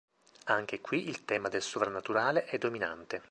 Anche qui il tema del sovrannaturale è dominante.